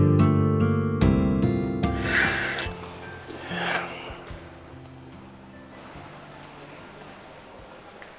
itu silamannya nenek kamu apa apa pak